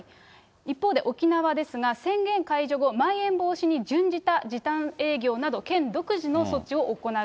一方で沖縄ですが、宣言解除後、まん延防止に準じた時短営業など、県独自の措置を行う。